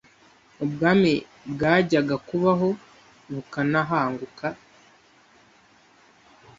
Ubwami bwajyaga kubaho bukanahanguka